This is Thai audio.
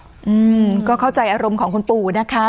อืมก็เข้าใจอารมณ์ของคุณปู่นะคะ